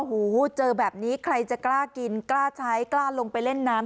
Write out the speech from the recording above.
โอ้โหเจอแบบนี้ใครจะกล้ากินกล้าใช้กล้าลงไปเล่นน้ำ